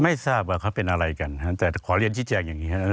ไม่ทราบว่าเขาเป็นอะไรกันแต่ขอเรียนชี้แจงอย่างนี้ครับ